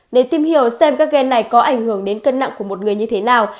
để tìm hiểu xem các ghen này có ảnh hưởng đến cân nặng của một người như thế nào